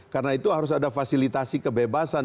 karena itu harus ada fasilitasi kebebasan